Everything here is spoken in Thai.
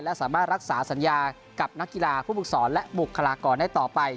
และสามารถรักษาสัญญากับนักกีฬาผู้ฝึกศรและบุคลากรได้ต่อไป